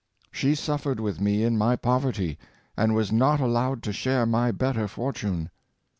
" She suffered with me in my poverty, and was not allowed to share my better fortune.